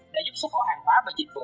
cao so với quy mô gdp